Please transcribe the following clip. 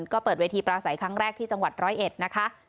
ก็เปิดเวทีปราศัยครั้งแรกที่จังหวัดร้อยเอ็ดนะคะ